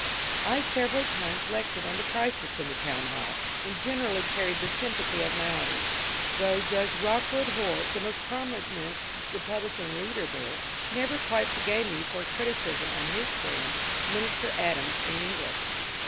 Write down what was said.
I several times lectured on the crisis in the town hall, and generaUy carried the sympathy of my audience, though Judge Rock wood Hoar, the most prominent Republican leader there, never quite forgave me for a criticism on his friend Minister Adams in England.